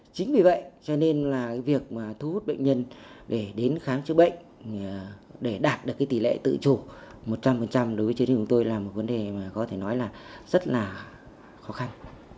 chính vì vậy cho nên việc thu hút bệnh nhân đến khám chữa bệnh để đạt được tỷ lệ tự chủ một trăm linh đối với chế niệm của tôi là một vấn đề rất khó khăn